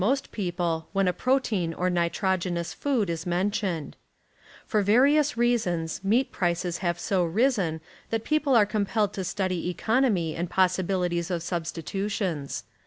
most people when a protein or nitrogenous food is ,. mentioned. For various reasons meat prices have substitu .,,, so risen that people are compelled to studv tions ,.,.,..»,.. mi' economy and possibilities oi substitutions.